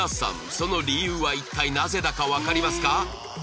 その理由は一体なぜだかわかりますか？